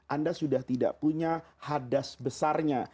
anda sudah tidak punya hadas besarnya